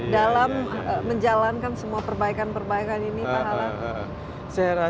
dalam menjalankan semua perbaikan perbaikan ini pak hala